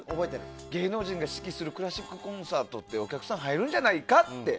芸能人が指揮をするクラシックコンサートってお客さん入るんじゃないかと。